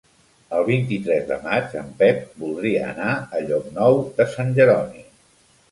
El vint-i-tres de maig en Pep voldria anar a Llocnou de Sant Jeroni.